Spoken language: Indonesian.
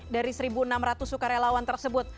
dari satu enam ratus sukarelawan tersebut